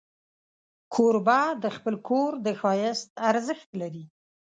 کوربه د خپل کور د ښایست ارزښت لري.